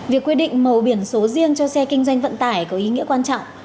việc quy định màu biển số riêng cho xe kinh doanh vận tải có ý nghĩa quan trọng